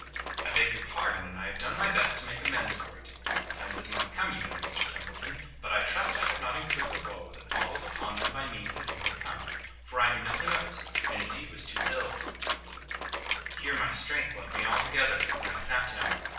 "I beg your pardon; and I have done my best to make amends for it. Offences must come, you know, Mr Templeton; but I trust I have not incurred the woe that follows upon them by means of whom they come, for I knew nothing of it, and indeed was too ill—" Here my strength left me altogether, and I sat down.